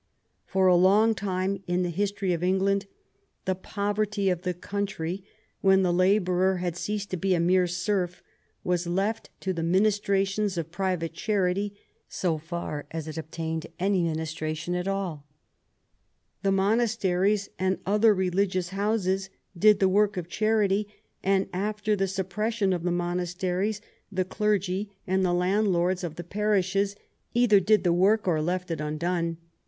For a long time in the history of England the poverty of the country, when the laborer had ceased to be a mere serf, was left to the ministra tion of private charity, so far as it obtained any minis tration at all. The monasteries and other religious houses did the work of charity, and after the suppres sion of the monasteries the clergy and the landlords of 29 i THE REIGN OP QUEEN ANNE the parishes either did the work or left it undone.